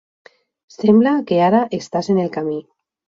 Sembla que ara estàs en el camí.